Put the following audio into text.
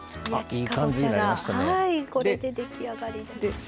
これで出来上がりです。